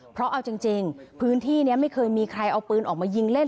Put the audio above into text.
เพราะเอาจริงพื้นที่นี้ไม่เคยมีใครเอาปืนออกมายิงเล่น